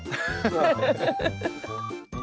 ハハハハッ！